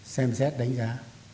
xem xét đánh giá